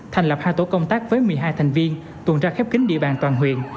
thành lập hai tổ công tác với một mươi hai thành viên tuần tra khép kính địa bàn toàn huyện